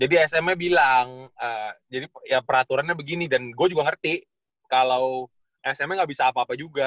jadi sm nya bilang jadi peraturannya begini dan gua juga ngerti kalau sm nya nggak bisa apa apa juga